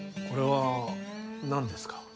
これは、何ですか？